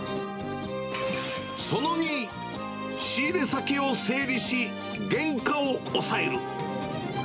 その２、仕入れ先を整理し、原価を抑える。